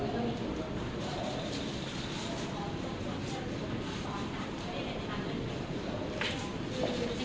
ค่อนข้างนะว้างที่เป็นคลณิน